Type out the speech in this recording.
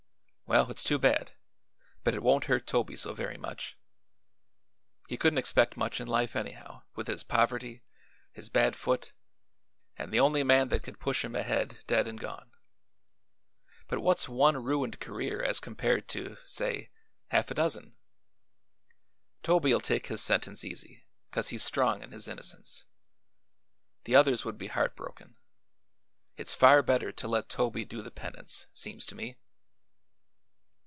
Well, it's too bad, but it won't hurt Toby so very much. He couldn't expect much in life, anyhow, with his poverty, his bad foot, an' the only man that could push him ahead dead an' gone. But what's one ruined career as compared to say half a dozen? Toby'll take his sentence easy, 'cause he's strong in his innocence. The others would be heartbroken. It's far better to let Toby do the penance, seems to me."